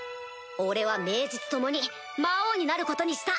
俺は名実ともに魔王になることにした！